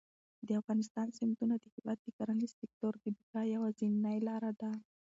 د افغانستان سیندونه د هېواد د کرنیز سکتور د بقا یوازینۍ لاره ده.